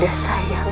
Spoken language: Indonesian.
setelah sampai datang